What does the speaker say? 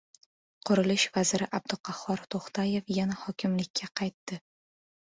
Qurilish vaziri Abduqahhor To‘xtayev yana hokimlikka qaytdi